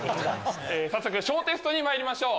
早速小テストにまいりましょう。